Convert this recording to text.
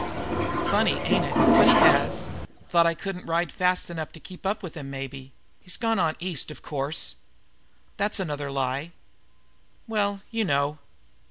"Funny, ain't it? But he has. Thought I couldn't ride fast enough to keep up with him, maybe. He's gone on east, of course." "That's another lie." "Well, you know."